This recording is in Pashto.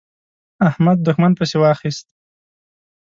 احمد؛ دوښمن پسې واخيست.